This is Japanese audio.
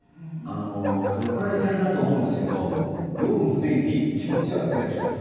酔っ払いたいなと思うんですけど酔う前に気持ち悪くなっちゃうんですよ。